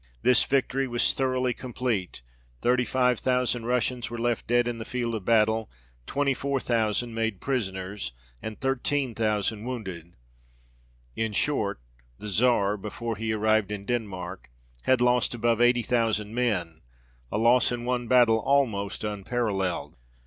This victory was thoroughly complete ; thirty five thousand Russians were left dead in the field of battle, twenty four thousand made prisoners, and thirteen thousand wounded ; in short, the Czar, before he arrived in Denmark, had lost above eighty thousand men, a loss in one battle almost un paralleled.